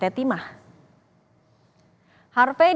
harvey ditetapkan untuk mencari pembayaran untuk perusahaan timah